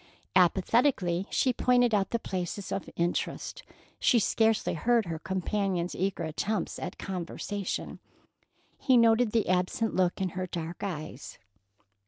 Apathetically she pointed out the places of interest. She scarcely heard her companion's eager attempts at conversation. He noted the absent look in her dark eyes.